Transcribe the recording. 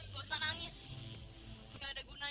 pesona dapet tim harus beres